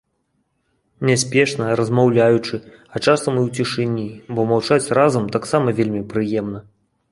Няспешна, размаўляючы, а часам і ў цішыні, бо маўчаць разам таксама вельмі прыемна.